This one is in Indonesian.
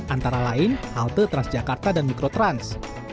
antara lain halte transjakarta dan mikrotrans